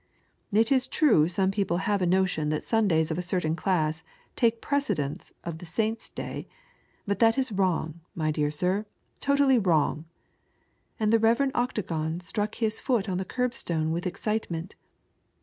It is true some people have a notion thiit Sundays* of a cei'tain claBB take precedence of the Saint's Day, but that is wrong, my dear sir, totally wrong ;" and the Rev. Octagon struck his foot on the curb stone with excitement.